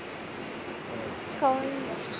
かわいい。